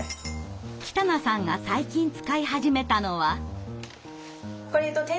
北名さんが最近使い始めたのは。